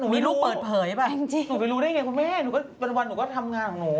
มีลูกเปิดเผยป่ะมีรู้ได้ไงเป็นเดียวกันหนูก็ทำงานของหนู